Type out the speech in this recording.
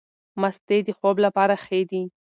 مستې د خوب لپاره ښې دي.